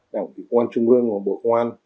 đảng quỹ công an trung ương và bộ công an